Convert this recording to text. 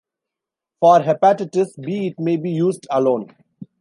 For hepatitis B it may be used alone.